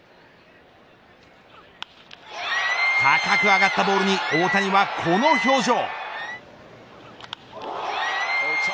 高く上がったボールに大谷はこの表情。